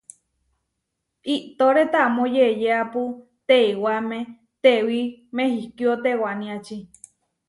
Iʼtóre tamó yeʼyeápu teiwamé tewí Mehikío tewaniači.